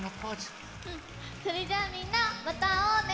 それじゃあみんなまたあおうね！